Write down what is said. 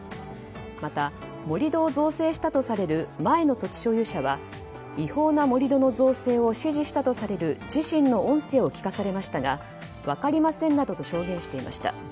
また、盛り土を造成したとされる前の土地所有者は違法な盛り土の造成を指示したとされる自身の音声を聞かされましたが分かりませんなどと証言していました。